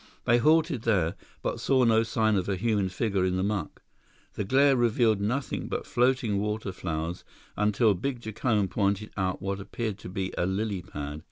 They halted there, but saw no sign of a human figure in the muck. The glare revealed nothing but floating water flowers until big Jacome pointed out what appeared to be a lily pad.